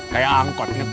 kayak angkot ngetemp